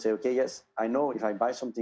saya tahu jika saya membeli sesuatu